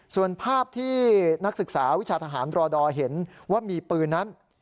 ส่วนภาพที่นักศึกษาวิชาทหารรอดอเห็นว่ามีปืนนั้น